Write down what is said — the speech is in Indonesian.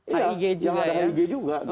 yang ada hig juga ya